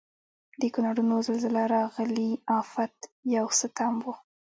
د کونړونو زلزله راغلي افت یو ستم و.